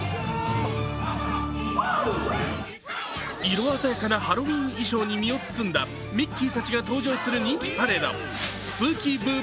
色鮮やかなハロウィーン衣装に身を包んだミッキーたちが登場する人気パレード、スプーキーＢｏｏ！